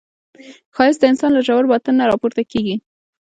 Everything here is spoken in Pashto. ښایست د انسان له ژور باطن نه راپورته کېږي